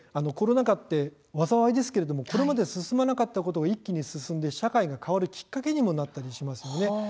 コロナ禍は災いですけれどもこれまで進まなかったことが一気に進んで社会を変えるきっかけになったりもしていますね。